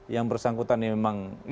yang bersangkutan ini memang benar